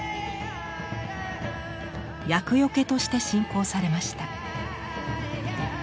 厄よけとして信仰されました。